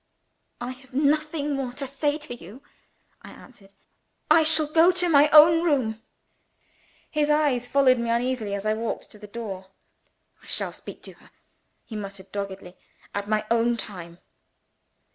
"I have nothing more to say to you," I answered. "I shall go to my own room." His eyes followed me uneasily as I walked to the door. "I shall speak to her," he muttered doggedly, "at my own time."